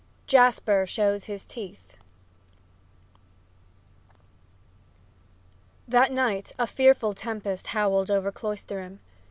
IV JASPER SHOWS HIS TEETH That night a fearful tempest howled over Cloisterham.